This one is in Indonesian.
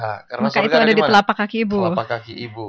apakah itu ada di telapak kaki ibu